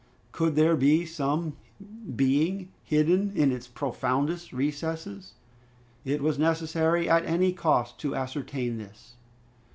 Could there be some being hidden in its profoundest recesses? It was necessary at any cost to ascertain this.